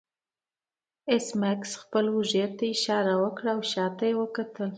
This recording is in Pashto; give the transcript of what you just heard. ایس میکس خپل اوږې ته اشاره وکړه او شاته یې وکتل